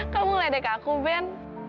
kamu ngeledek aku ben